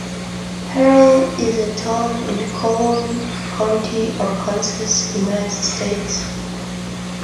Harrell is a town in Calhoun County, Arkansas, United States.